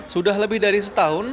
sudah lebih dari setahun